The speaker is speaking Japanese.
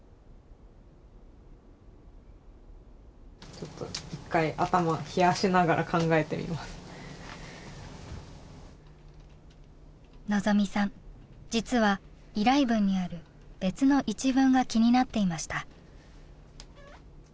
ちょっと望未さん実は依頼文にある別の一文が気になっていました。